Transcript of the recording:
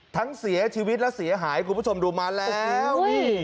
ทั้งเสียชีวิตและเสียหายคุณผู้ชมดูมาแล้วนี่